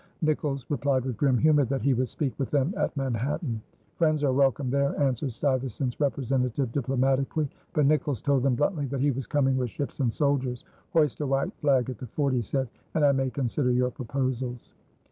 Nicolls replied with grim humor that he would speak with them at Manhattan. "Friends are welcome there," answered Stuyvesant's representative diplomatically; but Nicolls told them bluntly that he was coming with ships and soldiers. "Hoist a white flag at the fort," he said, "and I may consider your proposals."